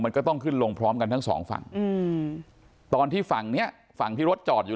มันก็ต้องขึ้นลงพร้อมกันทั้งสองฝั่งอืมตอนที่ฝั่งเนี้ยฝั่งที่รถจอดอยู่